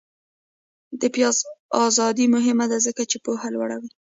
د بیان ازادي مهمه ده ځکه چې پوهه لوړوي.